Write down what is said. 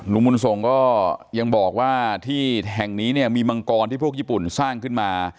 บุญส่งก็ยังบอกว่าที่แห่งนี้เนี่ยมีมังกรที่พวกญี่ปุ่นสร้างขึ้นมา